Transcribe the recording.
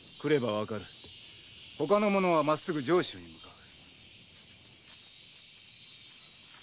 ほかの者はまっすぐ上州に向かう。